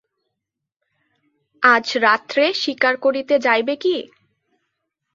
আজ রাত্রে শিকার করিতে যাইবে কি।